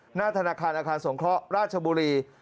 หน้าธนาคารอาคารสงเคราะห์ราชบุรี